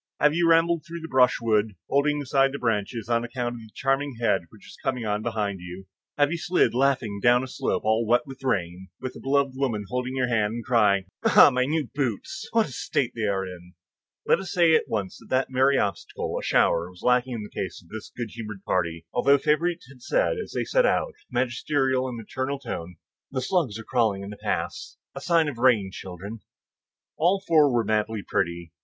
Have you rambled through the brushwood, holding aside the branches, on account of the charming head which is coming on behind you? Have you slid, laughing, down a slope all wet with rain, with a beloved woman holding your hand, and crying, "Ah, my new boots! what a state they are in!" Let us say at once that that merry obstacle, a shower, was lacking in the case of this good humored party, although Favourite had said as they set out, with a magisterial and maternal tone, "The slugs are crawling in the paths,—a sign of rain, children." All four were madly pretty.